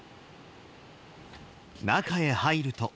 中へ入ると。